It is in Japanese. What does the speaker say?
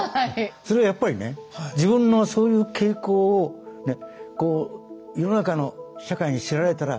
それはやっぱりね自分のそういう傾向を世の中の社会に知られたら大変な目に遭うんじゃないかと。